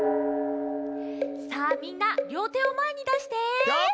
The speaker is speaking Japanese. さあみんなりょうてをまえにだして！